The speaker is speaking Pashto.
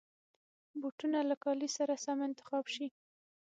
بوټونه له کالي سره سم انتخاب شي.